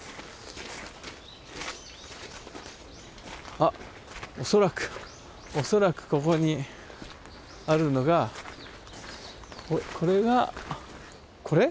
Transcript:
あっ恐らく恐らくここにあるのがこれがこれ？